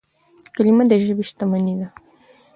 کلیمه د ژبي شتمني ده.